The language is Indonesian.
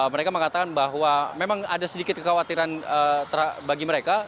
mereka mengatakan bahwa memang ada sedikit kekhawatiran bagi mereka